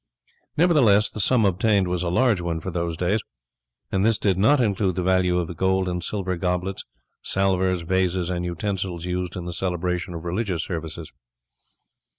Nevertheless the sum obtained was a large one for those days, and this did not include the value of the gold and silver goblets, salvers, vases, and utensils used in the celebration of religious services.